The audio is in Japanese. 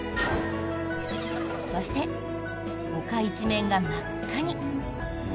そして、丘一面が真っ赤に。